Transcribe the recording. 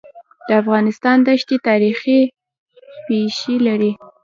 د افغانستان دښتي تاریخي پېښې لري.